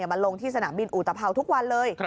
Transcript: มาลงที่สนามบินอุตภาวทุกวันเลย